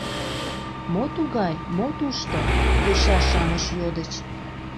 — Мо тугай, мо тушто? — йоча-шамыч йодыч.